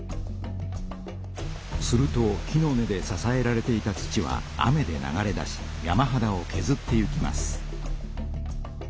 すると木の根でささえられていた土は雨で流れ出し山はだをけずっていきます。